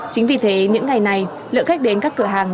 chính vì thế những ngày này lượng khách đến các cửa hàng